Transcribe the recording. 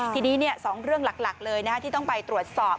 ทีนี้๒เรื่องหลักเลยที่ต้องไปตรวจสอบ